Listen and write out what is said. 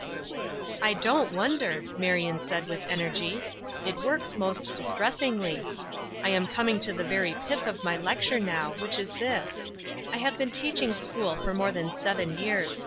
"I don't wonder," Marion said, with energy. "It works most distressingly. I am coming to the very pith of my lecture now, which is this: I have been teaching school for more than seven years.